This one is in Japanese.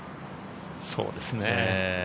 そうですね。